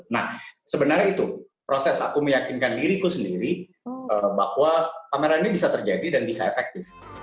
nah sebenarnya itu proses aku meyakinkan diriku sendiri bahwa pameran ini bisa terjadi dan bisa efektif